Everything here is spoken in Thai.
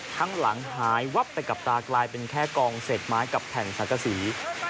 ทั้งหลังหายวับไปกับตากลายเป็นแค่กองเศษไม้กับแผ่นสังกษี